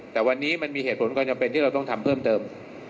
แต่วันนี้มันมีเหตุผลความจำเป็นที่เราต้องทำเพิ่มเติม